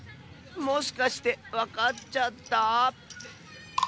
もしかしてわかっちゃった？